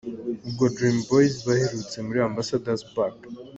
Ubwo Dream Boys baherutse muri Ambassador's Park.